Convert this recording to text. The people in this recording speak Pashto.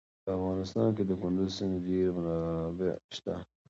په افغانستان کې د کندز سیند ډېرې منابع شته.